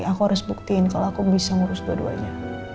aku harus buktiin kalau aku bisa ngurus dua duanya